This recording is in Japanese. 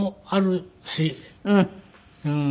うん。